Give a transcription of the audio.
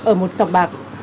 ở một sọc bạc